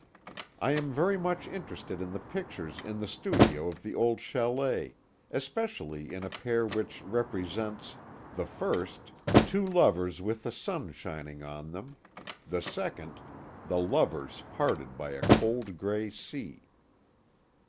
"I am very much interested in the pictures in the studio of the old châlet, especially in a pair which represents, the first, two lovers with the sun shining on them; the second, the lovers parted by a cold grey sea.